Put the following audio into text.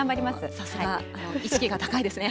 さすが、意識が高いですね。